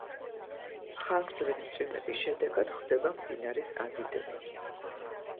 ხანგრძლივი წვიმების შედეგად ხდება მდინარის ადიდება.